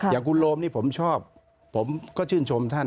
อย่างคุณโรมนี่ผมชอบผมก็ชื่นชมท่าน